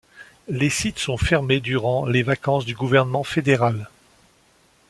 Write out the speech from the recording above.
Les sites sont fermés durant les vacances du gouvernement fédéral.